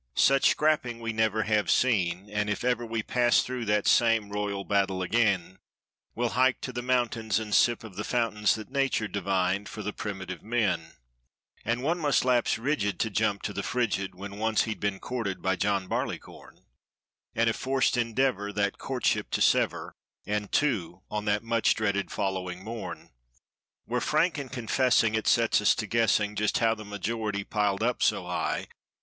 Such scrapping, we never have seen, and if ever We pass through that same royal battle again. We'll hike to the mountains and sip of the fountains That Nature divined for the primitive men. 65 And one must lapse rigid to jump to the frigid When once he'd been courted by John Barleycorn; And have forced endeavor that courtship to sever, And, too, on that much dreaded following morn. We're frank in confessing it sets us to guessing Just how the majority piled up so high.